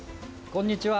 こんにちは。